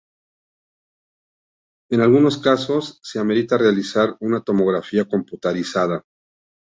En algunos casos se amerita realizar una tomografía computarizada.